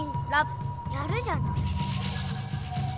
やるじゃない。